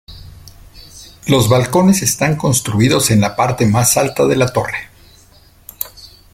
Los balcones están construidos en la parte más alta de la torre.